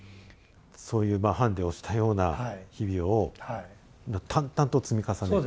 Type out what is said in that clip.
そういう判で押したような日々を淡々と積み重ねていく。